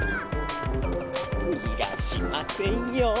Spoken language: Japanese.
にがしませんよ。